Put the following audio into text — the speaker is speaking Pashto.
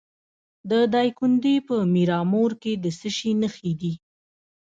د دایکنډي په میرامور کې د څه شي نښې دي؟